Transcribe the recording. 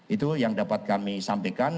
itu yang dapat kami sampaikan